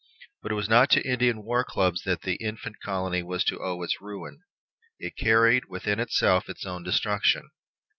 But it was not to Indian war clubs that the infant colony was to owe its ruin. It carried within itself its own destruction.